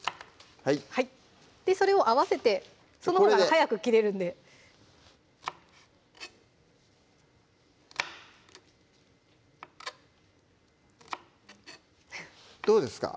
それを合わせてそのほうが早く切れるんでどうですか？